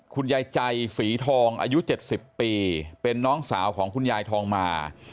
คุณยายใจสีทองอายุ๗๐ปีเป็นน้องสาวของคุณยายทองมา